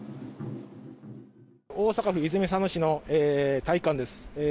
大阪府泉佐野市の体育館です。